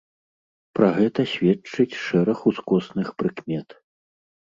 Пра гэта сведчыць шэраг ускосных прыкмет.